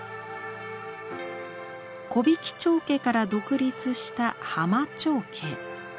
「木挽町家」から独立した「浜町家」。